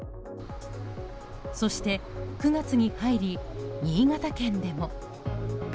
そして、９月に入り新潟県でも。